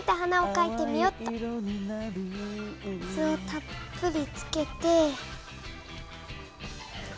たっぷりつけて。